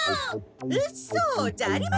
「うそ！？」じゃありません！